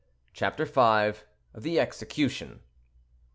CHAPTER V. THE EXECUTION.